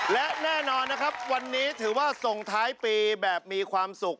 และแน่นอนนะครับวันนี้ถือว่าส่งท้ายปีแบบมีความสุข